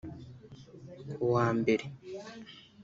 Ku wa Mbere